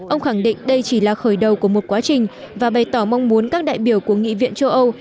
ông khẳng định đây chỉ là khởi đầu của một quá trình và bày tỏ mong muốn các đại biểu của nghị viện châu âu